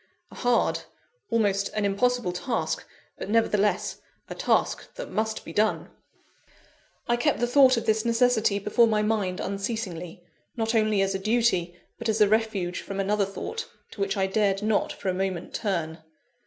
A hard, almost an impossible task but, nevertheless, a task that must be done! I kept the thought of this necessity before my mind unceasingly; not only as a duty, but as a refuge from another thought, to which I dared not for a moment turn.